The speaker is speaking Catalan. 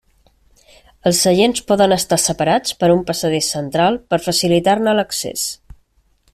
Els seients poden estar separats per un passadís central per facilitar-ne l'accés.